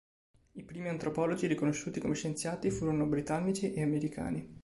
I primi antropologi riconosciuti come scienziati furono britannici e americani.